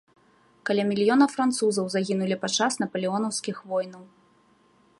Каля мільёна французаў загінулі падчас напалеонаўскіх войнаў.